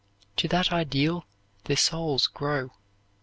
To that ideal their souls grow.